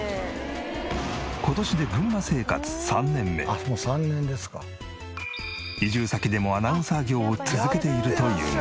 今年で移住先でもアナウンサー業を続けているというが。